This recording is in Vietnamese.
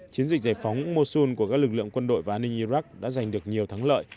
chiến dịch giải phóng mosul của các lực lượng quân đội và an ninh iraq đã giành được nhiều thắng lợi